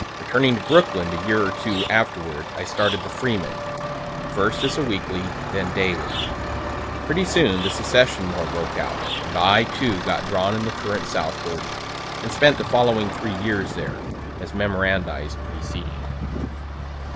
Returning to Brooklyn a year or two afterward I started the "Freeman," first as a weekly, then daily. Pretty soon the secession war broke out, and I, too, got drawn in the current southward, and spent the following three years there, (as memorandized preceding.)